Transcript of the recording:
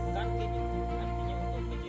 kurang juga tahu delapan puluh